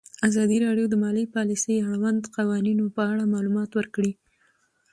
ازادي راډیو د مالي پالیسي د اړونده قوانینو په اړه معلومات ورکړي.